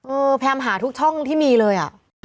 เออแพมหาทุกช่องที่มีเลย